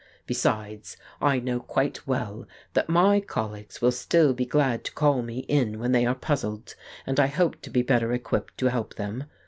Besides, I know quite well that my colleagues will still be glad to call me in when they are puzzled, and I hope to be better equipped to help them.